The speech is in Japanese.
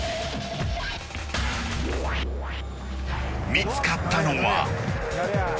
見つかったのは。